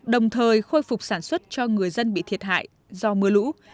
đồng thời khôi phục sản xuất cho người dân bị thiệt hại do mưa lũ